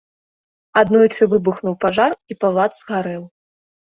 Аднойчы выбухнуў пажар, і палац згарэў.